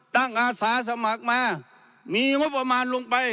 อาสาสมัครมามีงบประมาณลงไป